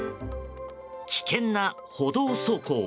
危険な歩道走行。